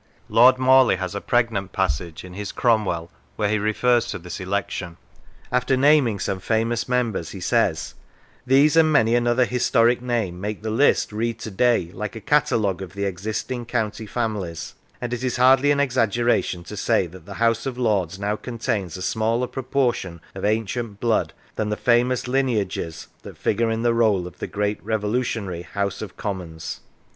Lord Morley has a pregnant sentence in his " Cromwell," where he refers to this election. After naming some famous members he says :" These and many another historic name make the list read to day like a catalogue of the existing county families, and it is hardly an exaggeration to say that the House of Lords now contains a smaller proportion of ancient blood than the famous lineages that figure in the roll of the great revolutionary House of Commons.